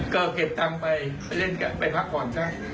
ก็เก็บทั้งไปเล่นการไปภักดิ์ก่อน